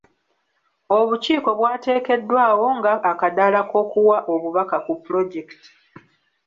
Obukiiko bwateekeddwawo nga akadaala k'okuwa obubaka ku pulojekiti.